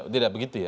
tidak begitu ya